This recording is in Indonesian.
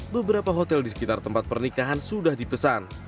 beberapa hotel di sekitar tempat pernikahan sudah dipesan